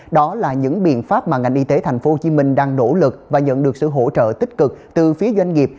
đó là những biện pháp mà ngành y tế tp hcm đang nỗ lực và nhận được sự hỗ trợ tích cực từ phía doanh nghiệp